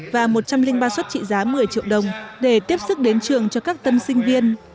và một trăm linh ba suất trị giá một mươi triệu đồng để tiếp sức đến trường cho các tân sinh viên